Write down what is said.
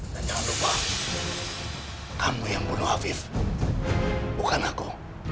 dan jangan lupa kamu yang bunuh afif bukan aku